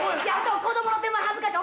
子供の手前恥ずかしい。